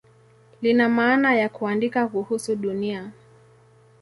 Lina maana ya "kuandika kuhusu Dunia".